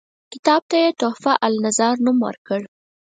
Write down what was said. کتاب ته یې تحفته النظار نوم ورکړ.